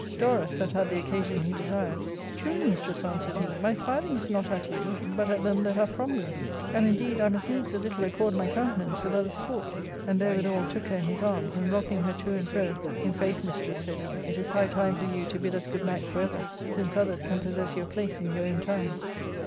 Dorus, that had the occasion he desired, " Truly, mistress," answered he, " my smiling is not at you, but at them that are from you ; and indeed I must needs a little accord my countenance with other's sport." And therewithal took her in his arms, and rocking her to and fro, "In faith, mistress," said he, " it is high time for you to bid us good night for ever, since others can possess your place in your own time."